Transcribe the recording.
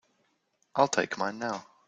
I'll take mine now.